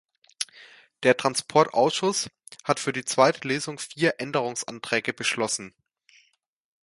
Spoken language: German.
Der Transportausschuss hat für die zweite Lesung vier Änderungsanträge beschlossen.